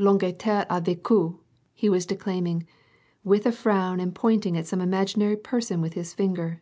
^^UAjigleterre a vecu^^ he was declaiming, with a frown and pointing at some imaginary person with his finger.